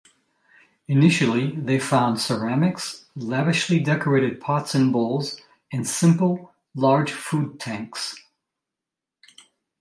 Initially, they found ceramics, lavishly decorated pots and bowls, and simple, large food tanks.